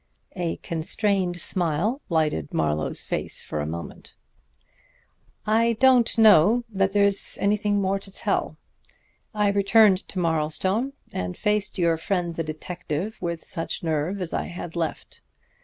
A constrained smile lighted Marlowe's face for a moment. "I don't know that there's anything more to tell. I returned to Marlstone, and faced your friend the detective with such nerve as I had left.